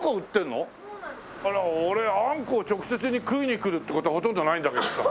俺あんこを直接に食いに来るって事ほとんどないんだけどさ。